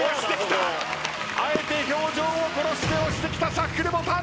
あえて表情を殺して押してきたシャッフルボタン！